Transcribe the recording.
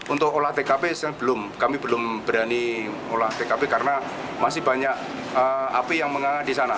untuk olah tkp kami belum berani karena masih banyak api yang menganggap di sana